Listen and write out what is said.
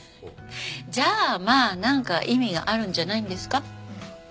じゃあまあなんか意味があるんじゃないんですか。